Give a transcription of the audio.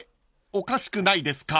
おかしくないですか？］